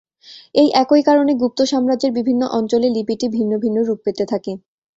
এই একই কারণে গুপ্ত সাম্রাজ্যের বিভিন্ন অঞ্চলে লিপিটি ভিন্ন ভিন্ন রূপ পেতে থাকে।